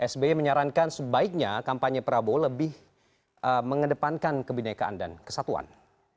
sbi menyarankan sebaiknya kampanye prabowo lebih mengedepankan kebinekaan dan kesatuan